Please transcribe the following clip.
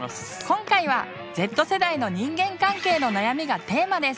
今回はＺ世代の人間関係の悩みがテーマです。